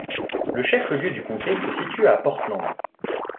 Le chef-lieu du comté se situe à Portland.